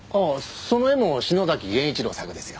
その絵も篠崎源一郎作ですよ。